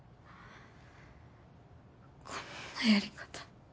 こんなやり方。